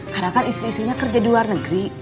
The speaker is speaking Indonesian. karena kan istri istrinya kerja di luar negeri